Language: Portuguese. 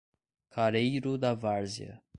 Careiro da Várzea